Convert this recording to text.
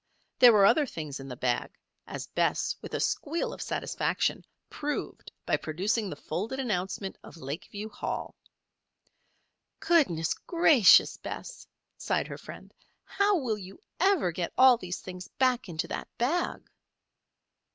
There were other things in the bag, as Bess, with a squeal of satisfaction, proved by producing the folded announcement of Lakeview Hall. "Goodness gracious, Bess!" sighed her friend. "How will you ever get all these things back into that bag?"